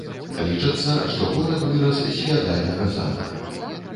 Лічацца, што горад вырас з феадальнага замка.